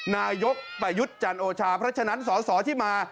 นายกประยุทธ์จันโอชาเพราะฉะนั้นสอสอที่มา